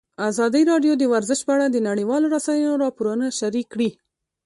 ازادي راډیو د ورزش په اړه د نړیوالو رسنیو راپورونه شریک کړي.